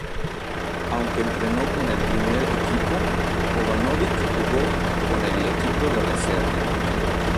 Aunque entrenó con el primer equipo, Jovanović jugó con el equipo reserva.